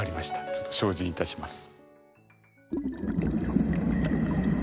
ちょっと精進いたします。